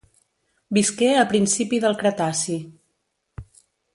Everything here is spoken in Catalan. Visqué a principi del Cretaci.